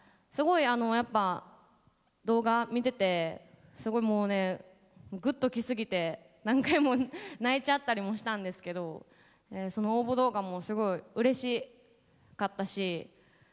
すごいやっぱ動画見ててすごいもうねグッと来過ぎて何回も泣いちゃったりもしたんですけどその応募動画もすごいうれしかったし。